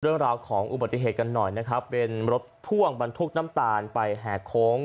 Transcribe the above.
เรื่องราวของอุบัติเหตุกันหน่อยนะครับเป็นรถพ่วงบรรทุกน้ำตาลไปแห่โค้ง